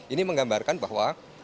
ini menggambarkan bahwa